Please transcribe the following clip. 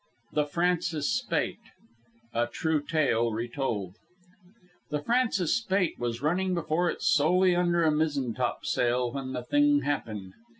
THE "FRANCIS SPAIGHT" (A TRUE TALE RETOLD) The Francis Spaight was running before it solely under a mizzentopsail, when the thing happened.